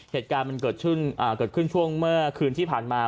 เหตุการณ์มันเกิดขึ้นช่วงเมื่อคืนที่ผ่านมา